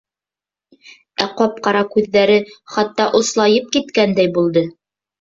Ә ҡап-ҡара күҙҙәре хатта ослайып киткәндәй булды.